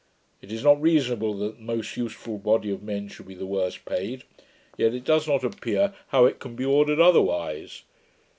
It is not reasonable that the most useful body of men should be the worst paid; yet it does not appear how it can be ordered otherwise.